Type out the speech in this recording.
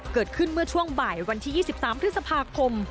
เกิดขึ้นเมื่อช่วงบ่ายวันที่๒๓พฤษภาคม